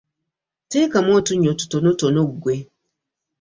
Teekamu otunnyo tutonotono ggwe.